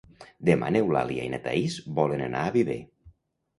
Demà n'Eulàlia i na Thaís volen anar a Viver.